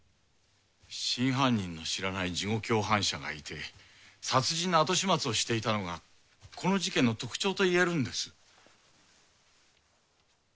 真犯人の知らない事後共犯者がいて殺人の後始末をしていたのがこの事件の特徴と言えるんです。